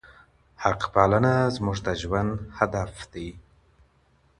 حق پالنه زموږ د ژوند هدف دی.